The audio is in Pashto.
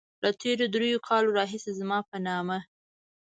له تېرو دريو کالو راهيسې زما په نامه.